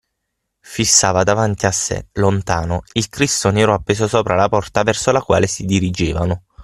Fissava davanti a sé, lontano, il Cristo nero appeso sopra la porta verso la quale si dirigevano.